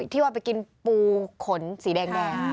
ที่ว่าไปกินปูขนสีแดง